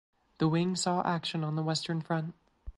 The wing saw action on the Western Front.